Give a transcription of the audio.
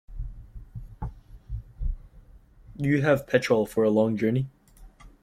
You have petrol for a long journey?